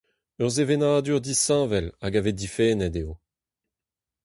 Ur sevenadur disheñvel hag a vez difennet eo.